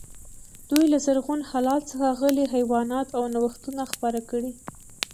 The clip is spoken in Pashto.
دوی له زرغون هلال څخه غلې، حیوانات او نوښتونه خپاره کړي.